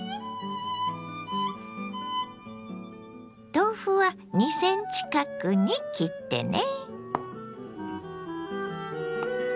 豆腐は２ｃｍ角に切ってね。